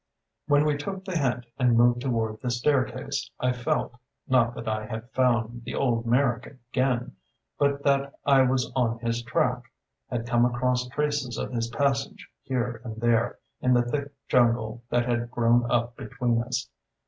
When we took the hint and moved toward the staircase I felt, not that I had found the old Merrick again, but that I was on his track, had come across traces of his passage here and there in the thick jungle that had grown up between us.